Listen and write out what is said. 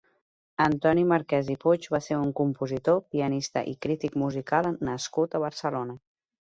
Antoni Marquès i Puig va ser un compositor, pianista i crític musical nascut a Barcelona.